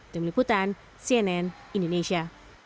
demi liputan cnn indonesia